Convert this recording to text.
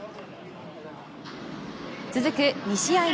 続く２試合目。